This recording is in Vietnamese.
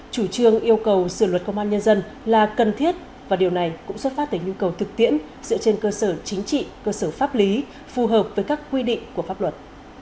chủ trương yêu cầu sửa luật công an nhân dân là cần thiết và điều này cũng xuất phát từ nhu cầu thực tiễn dựa trên cơ sở chính trị cơ sở pháp lý phù hợp với các quy định của pháp luật